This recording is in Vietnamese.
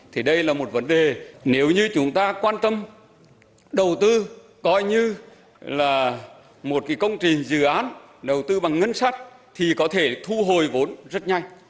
thì đây là một vấn đề nếu như chúng ta quan tâm đầu tư coi như là một công trình dự án đầu tư bằng ngân sách thì có thể thu hồi vốn rất nhanh